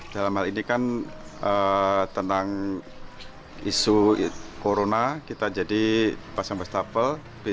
dalam hal ini kan tentang isu corona kita jadi pasang wastafel